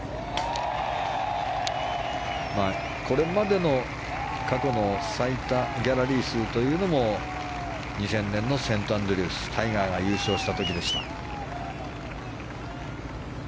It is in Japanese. これまでの、過去の最多ギャラリー数というのは２０００年のセントアンドリュースタイガーが優勝した時でした。